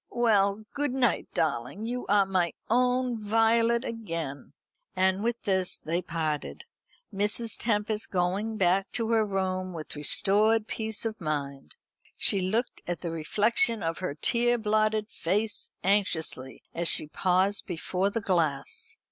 Well, good night, darling. You are my own Violet again." And with this they parted; Mrs. Tempest going back to her room with restored peace of mind. She looked at the reflection of her tear blotted face anxiously as she paused before the glass.